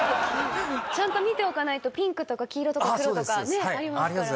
ちゃんと見ておかないとピンクとか黄色とか黒とかねえ。ありますから。